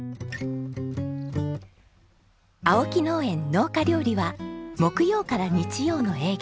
青木農園農家料理は木曜から日曜の営業。